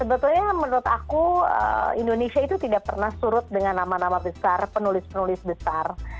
sebetulnya menurut aku indonesia itu tidak pernah surut dengan nama nama besar penulis penulis besar